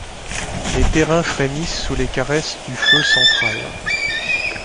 Les terrains frémissent sous les caresses du feu central.